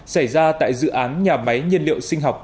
xảy ra tại dự án nhà máy nhiên liệu sinh học